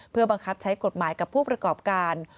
เพื่อบังคับใช้กฎหมายกับผู้ประกอบการ